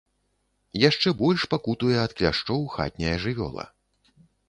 Яшчэ больш пакутуе ад кляшчоў хатняя жывёла.